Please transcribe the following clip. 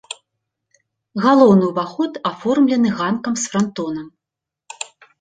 Галоўны ўваход аформлены ганкам з франтонам.